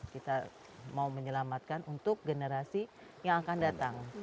kita mau menyelamatkan untuk generasi yang akan datang